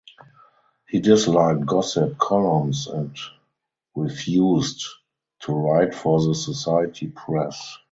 He disliked gossip columns and refused to write for the society press.